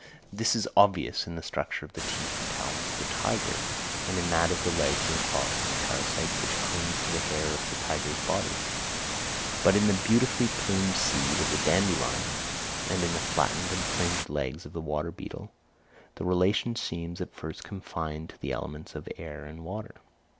This is obvious in the structure of the teeth and talons of the tiger; and in that of the legs and claws of the parasite which clings to the hair on the tiger's body. But in the beautifully plumed seed of the dandelion, and in the flattened and fringed legs of the water beetle, the relation seems at first confined to the elements of air and water.